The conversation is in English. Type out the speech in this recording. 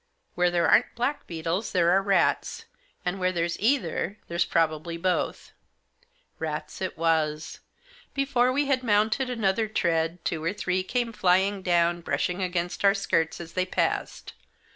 Where there aren't blackbeetles there are rats ; and where there's either there's probably both." Rats it was. Before we had mounted another tread two or three came flying down, brushing against our skirts as they passed.